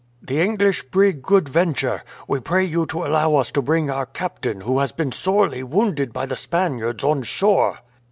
"The English brig Good Venture. We pray you to allow us to bring our captain, who has been sorely wounded by the Spaniards, on shore."